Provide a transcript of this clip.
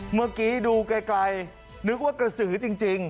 เมื่อกี้ดูไกลนึกว่ากระสือจริง